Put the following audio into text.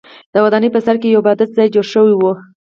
د ودانۍ په سر کې یو عبادت ځای جوړ شوی و.